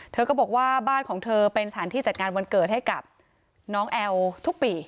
เธอก็บอกว่าบ้านของเธอเป็นสถานที่จัดงานวันเกิดให้กับน้องแอลทุกปี